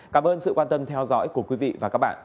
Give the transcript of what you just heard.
cảm ơn sự quan tâm theo dõi của quý vị và các bạn